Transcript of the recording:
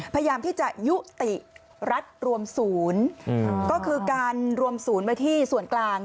พยายามที่จะยุติรัฐรวมศูนย์ก็คือการรวมศูนย์ไว้ที่ส่วนกลาง